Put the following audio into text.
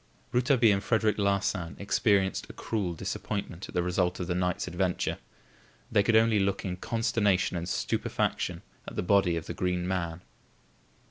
Rouletabille and Frederic Larsan experienced a cruel disappointment at the result of the night's adventure. They could only look in consternation and stupefaction at the body of the Green Man.